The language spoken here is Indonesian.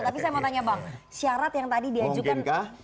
tapi saya mau tanya bang syarat yang tadi diajukan